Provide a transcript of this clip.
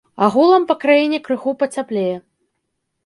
Агулам па краіне крыху пацяплее.